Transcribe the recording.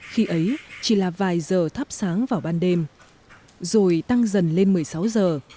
khi ấy chỉ là vài giờ thắp sáng vào ban đêm rồi tăng dần lên một mươi sáu giờ